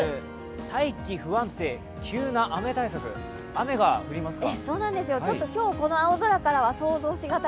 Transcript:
大気不安定、急な雨対策、雨が降りますか。